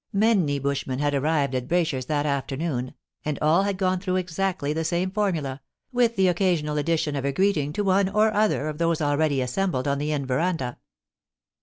Many bushmen had arrived at Braysher's that afternoon, and all had gone through exactly the same formula, with the occasional addition of a greeting to one or other of those already assembled on the inn verandah.